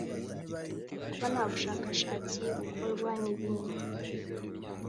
kuba nta bushakashatsi bukorwa n’ibindi